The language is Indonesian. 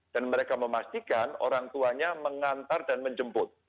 dan mereka memastikan orang tuanya mengantar dan menjemput